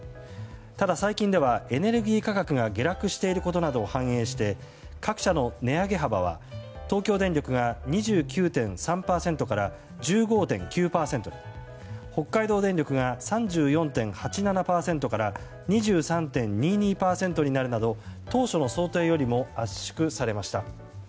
ただ、最近ではエネルギー価格が下落していることなどを反映して各社の値上げ幅は東京電力が２９．３％から１５．９％に北海道電力が３４．８７％から２３．２２％になるなど当初の想定よりも圧縮されました。